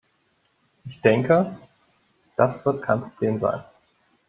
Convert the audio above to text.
Ich denke, dass wird kein Problem sein.